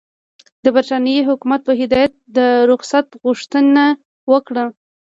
د برټانیې حکومت په هدایت د رخصت غوښتنه وکړه.